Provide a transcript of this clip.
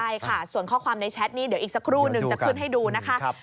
ใช่ค่ะส่วนข้อความในแชทนี้เดี๋ยวอีกสักครู่นึงจะขึ้นให้ดูนะคะ